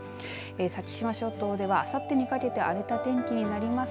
先島諸島では、あさってにかけて荒れた天気になります。